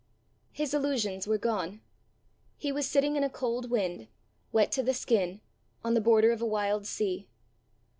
His illusions were gone. He was sitting in a cold wind, wet to the skin, on the border of a wild sea.